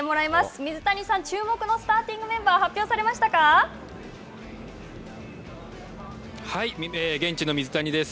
水谷さん、注目のスターティング現地の水谷です。